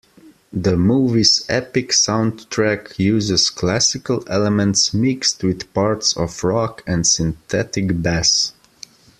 The movie's epic soundtrack uses classical elements mixed with parts of rock and synthetic bass.